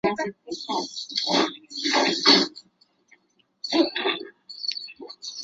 他是杜夫王之子。